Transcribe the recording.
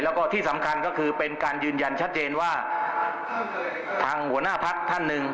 แล้วก็ที่สำคัญก็คือเป็นการยืนยันชัดเจนว่าทางหัวหน้าพักท่านหนึ่ง